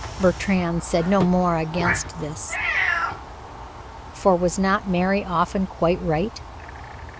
Bertrand said no more against this, for was not Mary often quite right?